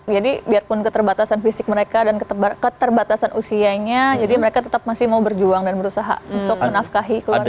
jadi biarpun keterbatasan fisik mereka dan keterbatasan usianya jadi mereka tetap masih mau berjuang dan berusaha untuk menafkahi keluarganya